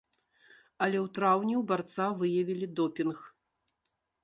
Але ў траўні ў барца выявілі допінг.